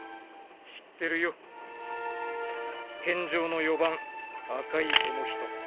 知ってるよ健丈の４番赤井智仁